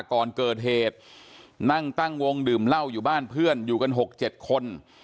ก่อนเกิดเหตุนั่งตั้งวงดื่มเหล้าอยู่บ้านเพื่อนอยู่กัน๖๗คน